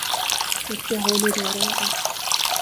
تو کیا ہونے جا رہا ہے؟